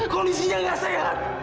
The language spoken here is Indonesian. kondisinya gak sehat